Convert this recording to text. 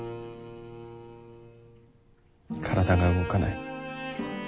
体が動かない。